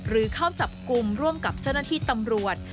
เข้าจับกลุ่มร่วมกับเจ้าหน้าที่ตำรวจ